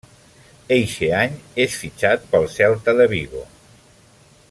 Eixe any és fitxat pel Celta de Vigo.